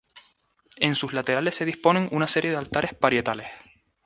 En sus laterales se disponen una serie de altares parietales.